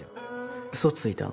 ウソついたの？